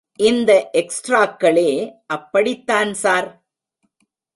இந்த எக்ஸ்ட்ராக்களே அப்படித்தான், ஸார்.